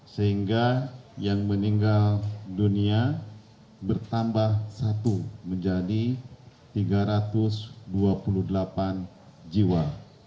sehingga yang meninggal dunia bertambah satu menjadi tiga ratus dua puluh delapan jiwa